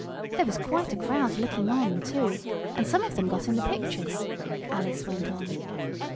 "There was quite a crowd looking, on, too, and some of them got in the pictures," Alice went on.